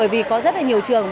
bởi vì có rất là nhiều trường